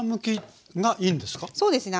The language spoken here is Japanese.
そうですね。